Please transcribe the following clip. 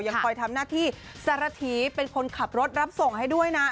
ยังคอยทำหน้าที่สารถีเป็นคนขับรถรับส่งให้ด้วยนะ